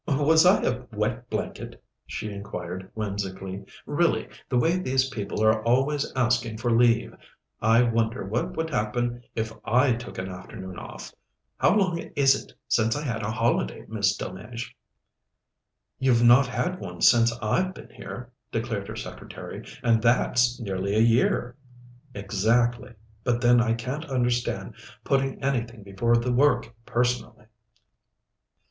"Was I a wet blanket?" she inquired whimsically. "Really, the way these people are always asking for leave! I wonder what would happen if I took an afternoon off. How long is it since I had a holiday, Miss Delmege?" "You've not had one since I've been here," declared her secretary, "and that's nearly a year." "Exactly. But then I can't understand putting anything before the work, personally."